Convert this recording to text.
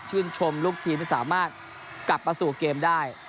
ชื่นชมลูกทีมสามารถกลับประสูจน์เกมได้